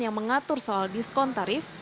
yang mengatur soal diskon tarif